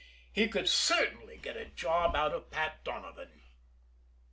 He could certainly get a job out of Pat Donovan.